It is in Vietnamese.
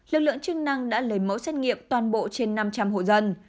lực lượng chức năng đã lấy mẫu xét nghiệm toàn bộ trên năm trăm linh hộ dân